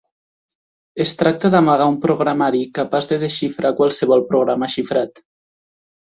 Es tracta d'amagar un programari capaç de desxifrar qualsevol programa xifrat.